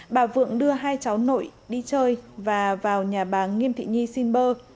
bà vượng đưa hai cháu nội đi chơi và vào nhà bà nghiêm thị nhi xin bơ